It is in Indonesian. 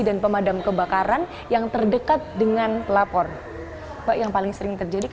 dan pemadam kebakaran yang terdekat dengan lapor